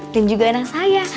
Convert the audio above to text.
dan juga anak saya